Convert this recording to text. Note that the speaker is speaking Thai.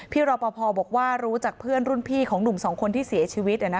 รอปภบอกว่ารู้จากเพื่อนรุ่นพี่ของหนุ่มสองคนที่เสียชีวิต